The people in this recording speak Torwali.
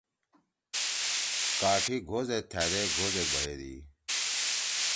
کاٹھی گھو زید تھأدے گھو زید بھیَدی۔